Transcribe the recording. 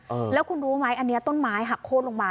เออแล้วคุณรู้ไหมอันนี้ต้นไม้หักโค้นลงมา